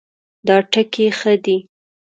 دا ټکی ښه دی